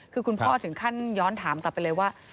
คือคุณพ่อถึงขั้นย้อนถามกลับไปเลยว่า